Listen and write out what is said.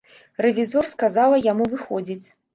Рэвізор сказала яму выходзіць.